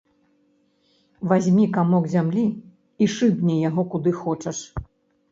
Вазьмі камок зямлі і шыбні яго куды хочаш.